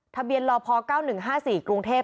ทะเบียนลพ๙๑๕๔กรุงเทพฯ